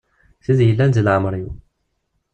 Tid yellan deg leɛmer-iw.